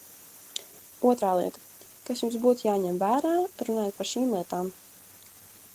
Otra lieta, kas jums būtu jāņem vērā, runājot par šīm lietām.